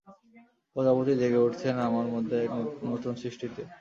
প্রজাপতি জেগে উঠেছেন আমার মধ্যে এক নূতন সৃষ্টিতে।